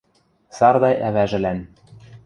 Сардай ӓвӓжӹлӓн.